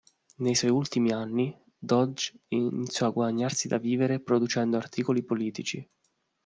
Nei suoi ultimi anni, Dodge iniziò a guadagnarsi da vivere producendo articoli politici.